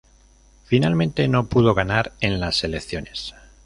Finalmente no pudo ganar en las elecciones.